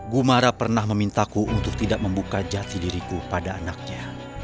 gumara pernah memintaku untuk tidak membuka jati diriku pada anaknya